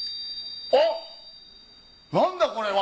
あっなんだこれは。